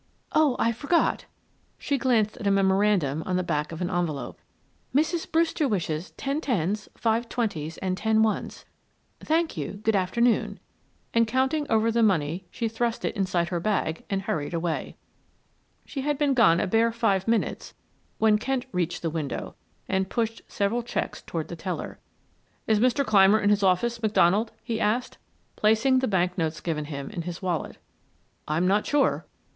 "Oh, I forgot." She glanced at a memorandum on the back of an envelope. "Mrs. Brewster wishes ten tens, five twenties, and ten ones. Thank you, good afternoon," and counting over the money she thrust it inside her bag and hurried away. She had been gone a bare five minutes when Kent reached the window and pushed several checks toward the teller. "Is Mr. Clymer in his office, McDonald?" he asked, placing the bank notes given him in his wallet. "I'm not sure."